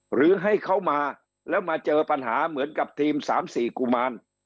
หรือให้เขามาแล้วมาเจอปัญหาเหมือนกับทีม๓๔กุมาร